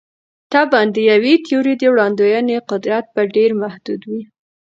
طبعاً د یوې تیورۍ د وړاندوینې قدرت به ډېر محدود وي.